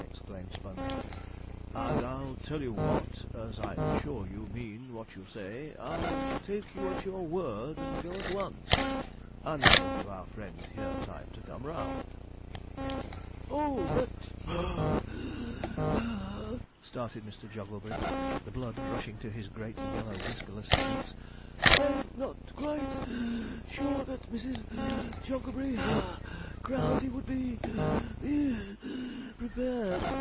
exclaimed Sponge; 'and I'll tell you what, as I'm sure you mean what you say, I'll take you at your word and go at once; and that'll give our friend here time to come round.' 'Oh, but (puff wheeze gasp),' started Mr. Jogglebury, the blood rushing to his great yellow, whiskerless cheeks, 'I'm not quite sure that Mrs. Jogglebury (puff) Crowdey would be (puff wheeze gasp) prepared.'